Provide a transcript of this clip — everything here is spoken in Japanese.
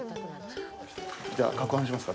じゃ、かくはんしますか。